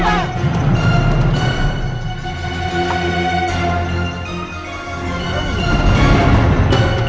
ayolah ikut aku